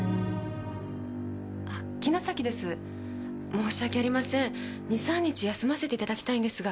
申し訳ありません２３日休ませて頂きたいんですが。